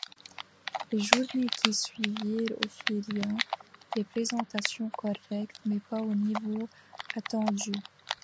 Les journées qui suivirent offrirent des prestations correctes, mais pas au niveau attendu.